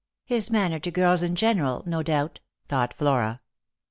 " His manner to gilds in general, no doubt," thought Flora.